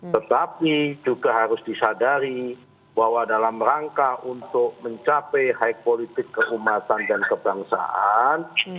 tetapi juga harus disadari bahwa dalam rangka untuk mencapai high politik keumatan dan kebangsaan